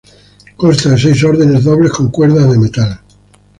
Consta de seis órdenes dobles con cuerdas de metal.